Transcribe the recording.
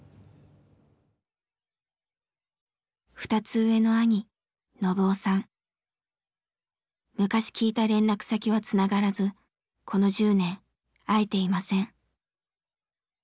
２つ上の昔聞いた連絡先はつながらずこの１０年会えていません。